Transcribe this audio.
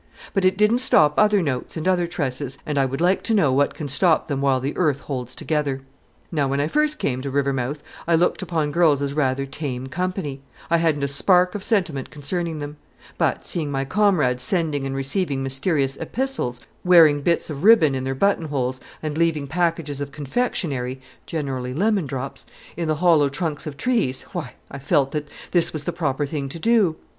But it didn't stop other notes and other tresses, and I would like to know what can stop them while the earth holds together. Now when I first came to Rivermouth I looked upon girls as rather tame company; I hadn't a spark of sentiment concerning them; but seeing my comrades sending and receiving mysterious epistles, wearing bits of ribbon in their button holes and leaving packages of confectionery (generally lemon drops) in the hollow trunks of trees why, I felt that this was the proper thing to do.